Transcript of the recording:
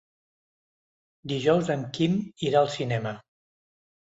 Dijous en Quim irà al cinema.